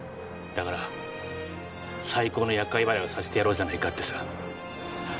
だから最高の厄介払いをさせてやろうじゃないかってさ。